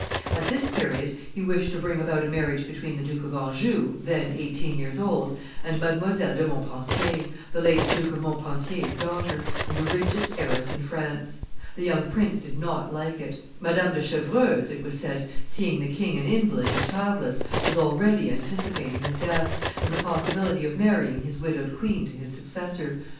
At this period, he wished to bring about a marriage between the Duke of Anjou, then eighteen years old, and Mdlle. de Montpensier, the late Duke of Montpensier's daughter, and the richest heiress in France. The young prince did not like it. Madame de Chevreuse, it was said, seeing the king an invalid and childless, was already anticipating his death, and the possibility of marrying his widowed queen to his successor.